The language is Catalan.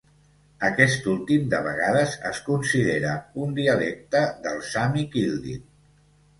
Aquest últim de vegades es considera un dialecte del sami kildin.